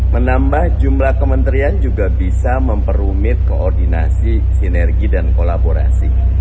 menambah jumlah kementerian juga bisa memperumit koordinasi sinergi dan kolaborasi